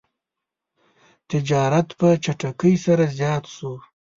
تجارت په چټکۍ سره زیات شو.